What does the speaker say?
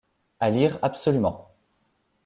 À lire absolument.